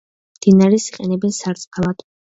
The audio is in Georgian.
მდინარეს იყენებენ სარწყავად.